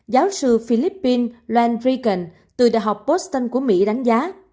giáo sư philippines len regan từ đại học boston của mỹ đánh giá